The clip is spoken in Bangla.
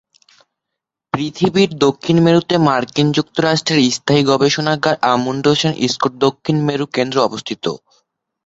পৃথিবীর দক্ষিণ মেরুতে মার্কিন যুক্তরাষ্ট্রের স্থায়ী গবেষণাগার আমুন্ডসেন-স্কট দক্ষিণ মেরু কেন্দ্র অবস্থিত।